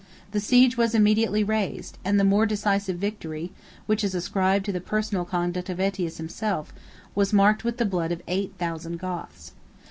The siege was immediately raised; and the more decisive victory, which is ascribed to the personal conduct of Ætius himself, was marked with the blood of eight thousand Goths.